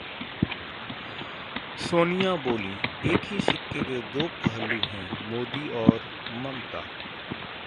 सोनिया बोलीं- एक ही सिक्के के दो पहलू हैं मोदी और ममता